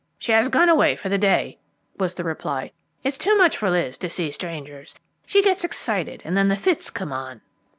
"She has gone away for the day," was the reply. "It's too much for Liz to see strangers. She gets excited, and then the fits come on."